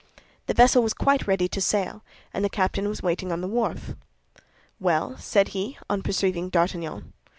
The vessel was quite ready to sail, and the captain was waiting on the wharf. "Well?" said he, on perceiving D'Artagnan.